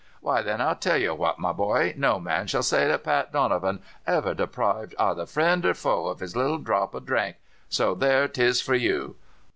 "Why, then, I'll tell you what, my boy: no man shall say that Pat Donovan ever deprived either friend or foe of his little dhrop of dhrink so there 'tis for you!"